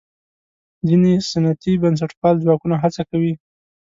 ځینې سنتي بنسټپال ځواکونه هڅه کوي.